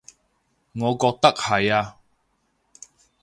我覺得係呀